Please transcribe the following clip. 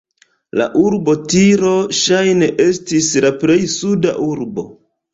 La urbo Tiro ŝajne estis la plej suda urbo.